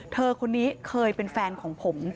เธอคนนี้เคยเป็นแฟนของผม